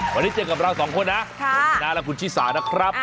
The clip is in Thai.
วันนี้เจอกับเราสองคนนะผมชนะและคุณชิสานะครับ